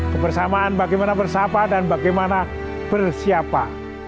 kebersamaan bagaimana bersahabat dan bagaimana bersiapa